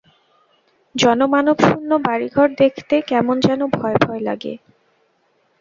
জনমানবশূন্য বাড়ি-ঘর দেখতে কেমন যেন ভয়ভয় লাগে।